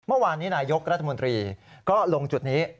เมื่อวานนี้นายกรัฐมนตรีก็ลงจุดนี้